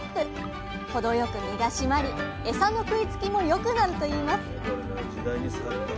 程よく身が締まりエサの食いつきも良くなるといいます